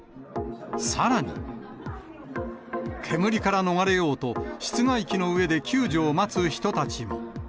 さらに煙から逃れようと、室外機の上で救助を待つ人たちも。